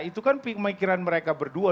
itu kan pemikiran mereka berdua